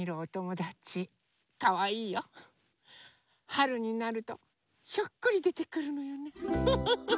はるになるとひょっこりでてくるのよねフフフ。